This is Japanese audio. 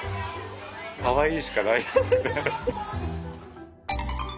かわいいしかないです。